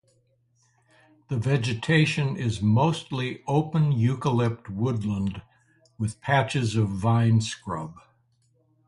The vegetation is mostly open eucalypt woodland with patches of vine scrub.